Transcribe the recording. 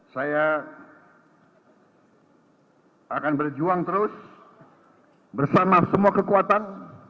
saya akan berjuang terus bersama semua kekuatan